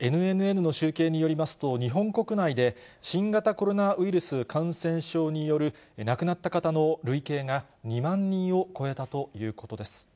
ＮＮＮの集計によりますと、日本国内で、新型コロナウイルス感染症による、亡くなった方の累計が、２万人を超えたということです。